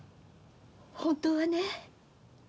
本当はね